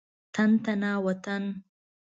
تن تنا وطن.